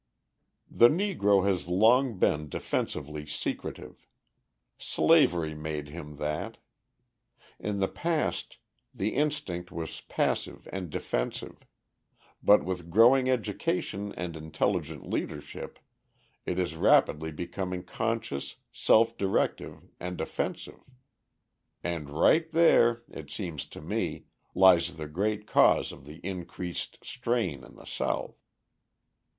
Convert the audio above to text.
The Negro has long been defensively secretive. Slavery made him that. In the past, the instinct was passive and defensive; but with growing education and intelligent leadership it is rapidly becoming conscious, self directive and offensive. And right there, it seems to me, lies the great cause of the increased strain in the South.